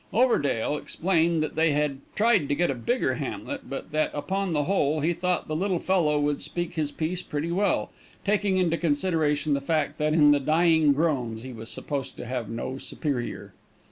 Overdale explained that they had tried to get a bigger Hamlet, but that, upon the whole, he thought the little fellow would "speak his piece" pretty well, taking into consideration the fact, that in the dying groans, he was supposed to have no superior.